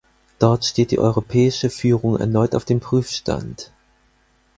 Dort steht die europäische Führung erneut auf dem Prüfstand.